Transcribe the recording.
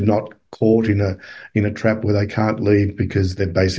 jadi mereka tidak dikejar di tempat yang tidak bisa mereka pergi